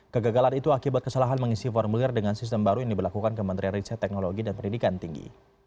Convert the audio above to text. kegagalan itu akibat kesalahan mengisi formulir dengan sistem baru yang diberlakukan kementerian riset teknologi dan pendidikan tinggi